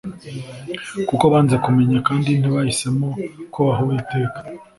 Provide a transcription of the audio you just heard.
kuko banze kumenya, kandi ntibahisemo kubaha uwiteka